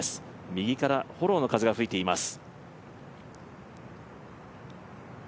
右からフォローの風が吹いています。